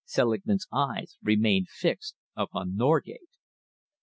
Selingman's eyes remained fixed upon Norgate.